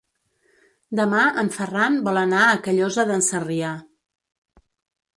Demà en Ferran vol anar a Callosa d'en Sarrià.